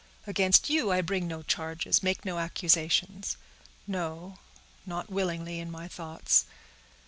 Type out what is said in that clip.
Against you I bring no charges—make no accusations; no, not willingly in my thoughts.